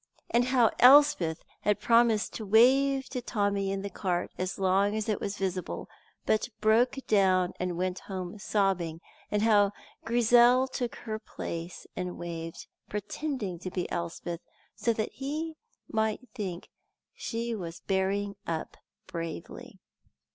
And how Elspeth had promised to wave to Tommy in the cart as long as it was visible, but broke down and went home sobbing, and how Grizel took her place and waved, pretending to be Elspeth, so that he might think she was bearing up bravely.